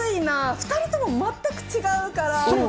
２人とも全く違うから。